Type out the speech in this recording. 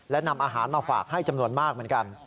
และนำอาหารมาฝากให้จำนวนมากเหมือนกัน